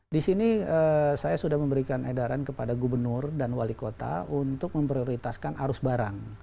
di sini saya sudah memberikan edaran kepada gubernur dan wali kota untuk memprioritaskan arus barang